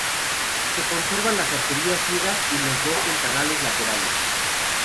Se conservan las arquerías ciegas y los dos ventanales laterales.